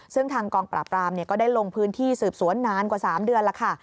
ซึ่งทางกองปราบรามก็ได้ลงพื้นที่สืบสวนนานกว่า๓เดือนแล้วค่ะ